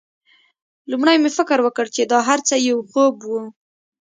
لومړی مې فکر وکړ چې دا هرڅه یو خوب و